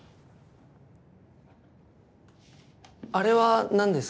あれは何ですか？